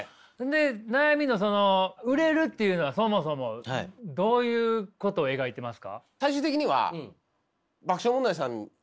で悩みのその売れるっていうのはそもそもどういうことを描いてますか？